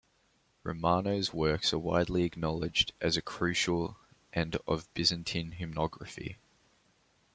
Romanos' works are widely acknowledged as a crucial and of Byzantine hymnography.